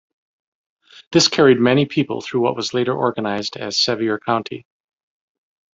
This carried many people through what was later organized as Sevier County.